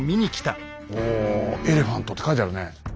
お「エレファント」って書いてあるね。